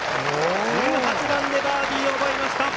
１８番でバーディーを奪いました！